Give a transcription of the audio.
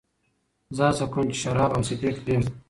زه هڅه کوم چې شراب او سګرېټ پرېږدم.